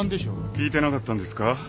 聞いてなかったんですか？